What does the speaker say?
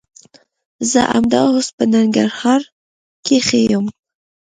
زه همدا اوس په ننګرهار کښي يم.